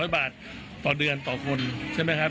๐บาทต่อเดือนต่อคนใช่ไหมครับ